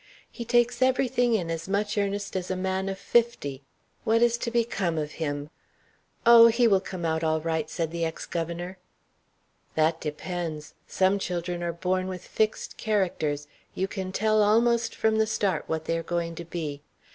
He takes every thing in as much earnest as a man of fifty. What is to become of him?" "Oh! he will come out all right," said the ex governor. "That depends. Some children are born with fixed characters: you can tell almost from the start what they are going to be.